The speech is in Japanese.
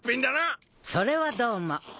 それはどうも。